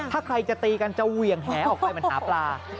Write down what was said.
ถ้าใครจะตีกันจะเหวี่ยงแหออกไปมันหาปลา